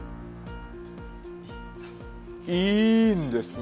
いいんですね？